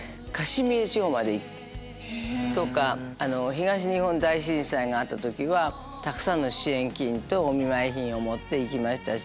東日本大震災があった時はたくさんの支援金とお見舞品を持って行きましたし。